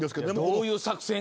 どういう作戦かね？